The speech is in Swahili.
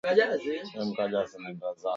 Uvimbe wenye maumivu kwenye koo ngozi ya shingoni